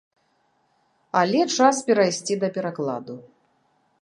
Але час перайсці да перакладу.